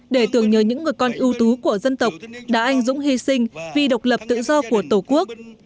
để tưởng nhớ những người con ưu tú của dân tộc đã anh dũng hy sinh vì độc lập tự do của tổ quốc